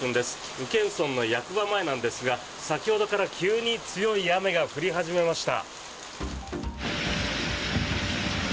宇検村の役場前なんですが先ほどから急に強い雨が降り始めました。